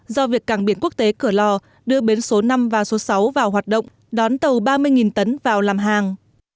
do việc cảng biển quốc tế cửa lò đưa bến số năm và số sáu vào hoạt động đón tàu ba mươi tấn vào làm hàng